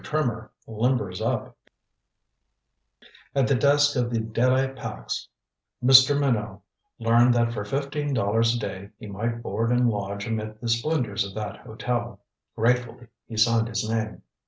TRIMMER LIMBERS UP At the desk of the De la Pax Mr. Minot learned that for fifteen dollars a day he might board and lodge amid the splendors of that hotel. Gratefully he signed his name.